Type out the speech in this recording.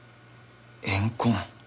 怨恨。